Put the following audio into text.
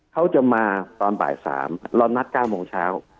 เค้ามาตอนบ่าย๓แต่เรานัด๙จาน